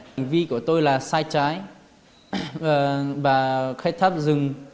hành vi của tôi là sai trái và khách thắp rừng